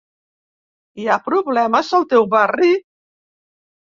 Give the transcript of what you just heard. Hi ha problemes al teu barri?